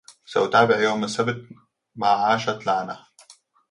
سأتبع يوم السبت ما عشت لعنة